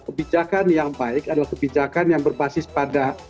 kebijakan yang baik adalah kebijakan yang berbasis pada